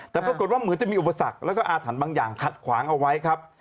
แต่ปรากฏว่าเหมือนจะมีอุปสรรคแล้วก็อาถรรพ์บางอย่างขัดขวางเอาไว้ครับ